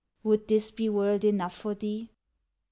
Would this be world enough for thee?"